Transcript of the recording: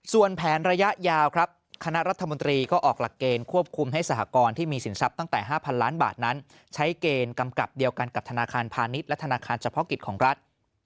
ส่วนแผนระยะยาวครับคณะรัฐมนตรีก็ออกหลักเกณฑ์ควบคุมให้สหกรณ์ที่มีสินทรัพย์ตั้งแต่๕๐๐ล้านบาทนั้นใช้เกณฑ์กำกับเดียวกันกับธนาคารพาณิชย์และธนาคารเฉพาะกิจของรัฐ